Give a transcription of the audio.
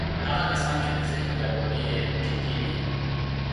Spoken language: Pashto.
هغه کسان چې د ذهن ګډوډۍ یې جدي وي